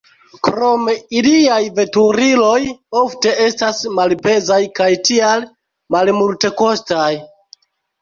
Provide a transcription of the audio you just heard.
Krome iliaj veturiloj ofte estas malpezaj kaj tial malmultekostaj.